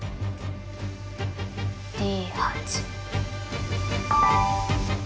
Ｄ８。